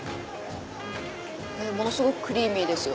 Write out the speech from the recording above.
ものすごくクリーミーですよ。